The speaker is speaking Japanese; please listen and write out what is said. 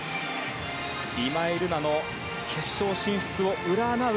今井月の決勝進出を占う